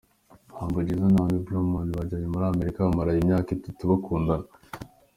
Humble Jizzo na Amy Blauman bajyanye muri Amerika bamaranye imyaka itatu bakundana.